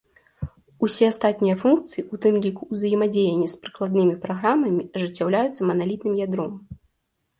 Усе астатнія функцыі, у тым ліку ўзаемадзеянне з прыкладнымі праграмамі, ажыццяўляюцца маналітным ядром.